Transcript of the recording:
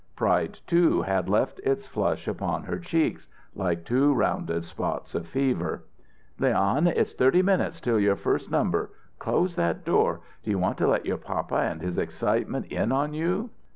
Pride, too, had left its flush upon her cheeks, like two round spots of fever. "Leon, it's thirty minutes till your first number. Close that door. Do you want to let your papa and his excitement in on you?"